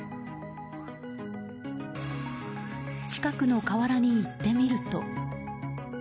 近くの河原に行ってみると。